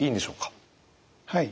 はい。